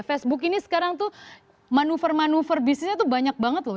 facebook ini sekarang tuh manuver manuver bisnisnya tuh banyak banget loh